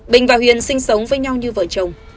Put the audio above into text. bình và huyền sinh sống với nhau như vợ chồng